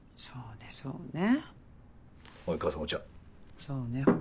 そうねそうね。